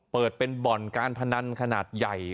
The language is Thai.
เปิดเป็นบ่อนการพนันขนาดใหญ่